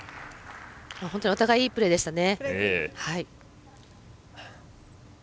本当にお互いいいプレーでしたね。